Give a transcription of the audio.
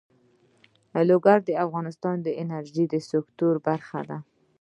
لوگر د افغانستان د انرژۍ سکتور برخه ده.